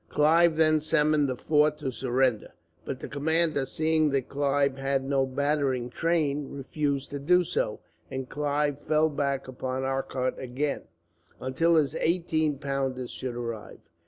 Clive then summoned the fort to surrender; but the commander, seeing that Clive had no battering train, refused to do so; and Clive fell back upon Arcot again, until his eighteen pounders should arrive.